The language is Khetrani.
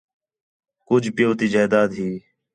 کُج پِیؤ تی جائیداد ہی